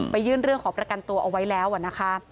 ยื่นเรื่องขอประกันตัวเอาไว้แล้วนะคะ